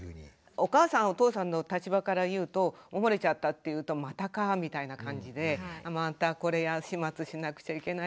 お母さんお父さんの立場から言うと漏れちゃったっていうとまたかみたいな感じでまたこれ始末しなくちゃいけない。